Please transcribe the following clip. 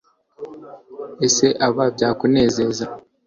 ese aba byakunezeza